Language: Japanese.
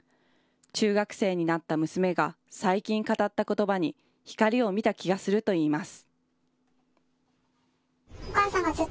中学生になった娘が最近語ったことばに光を見た気がするといいます。